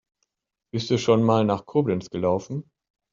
Bist du schon mal nach Koblenz gelaufen?